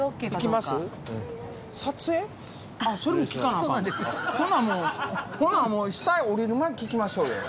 行きましょう。